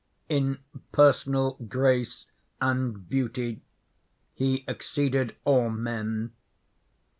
In personal grace and beauty he exceeded all men.